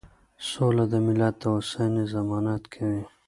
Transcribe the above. سوله د ملت د هوساینې ضمانت کوي.